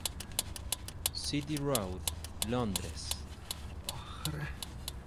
City Road, Londres".